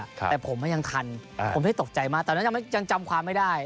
ครับแต่ผมไม่ยังทันอ่าผมไม่ได้ตกใจมากแต่ผมยังยังจำความไม่ได้